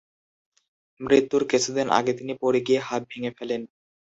মৃত্যুর কিছুদিন আগে তিনি পড়ে গিয়ে হাত ভেঙে ফেলেন।